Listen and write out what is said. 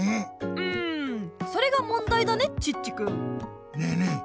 んそれがもんだいだねチッチくん。ねえねえ